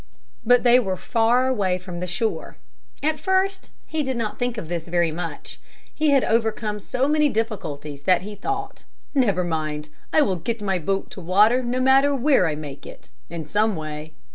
But they were far away from the shore. At first he did not think of this very much. He had overcome so many difficulties that he thought, "Never mind, I will get my boat to water, no matter where I make it, in some way."